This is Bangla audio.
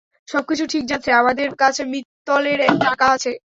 সবকিছু ঠিক যাচ্ছে, আমাদের কাছে মিত্তলের টাকা আছে।